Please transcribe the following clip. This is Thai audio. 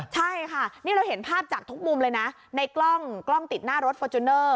ใช่ค่ะนี่เราเห็นภาพจากทุกมุมเลยนะในกล้องติดหน้ารถฟอร์จูเนอร์